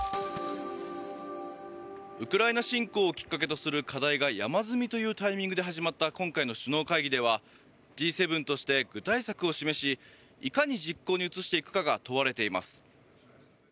ウクライナ侵攻をきっかけとする課題が山積みというタイミングで始まった今回の首脳会議ではＧ７として具体策を示しいかに実行に移していくかが問われています。